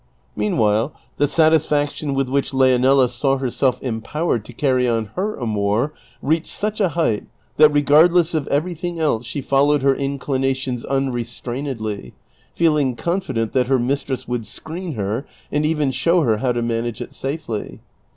Meanwhile the satisfaction with which Leonela saw herself empowered to carry on her amour reachetl such a height that, regardless of everything else, she followed her inclinations unrestrainedly, feeling confident that her mistress would screen her, and even show her how to manage it safely.